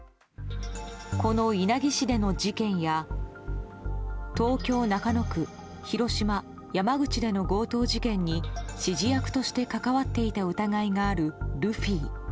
この稲城市での事件や東京・中野区、広島、山口での強盗事件に指示役として関わっていた疑いがあるルフィ。